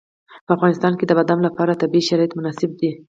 په افغانستان کې د بادام لپاره طبیعي شرایط مناسب دي.